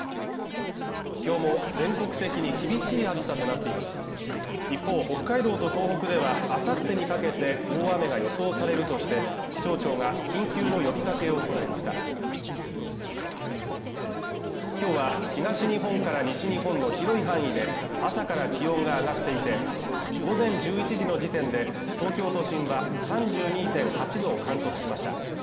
今日も全国的に厳しい暑さとなっています一方北海道と東北ではあさってにかけて大雨が予想されるとして気象庁が緊急の呼びかけを行いました今日は東日本から西日本の広い範囲で朝から気温が上がっていて午前１１時の時点で東京都心は３２．８度を観測しました